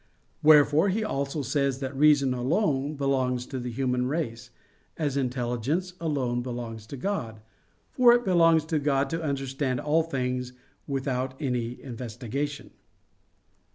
Wherefore he also says that reason alone belongs to the human race, as intelligence alone belongs to God, for it belongs to God to understand all things without any investigation.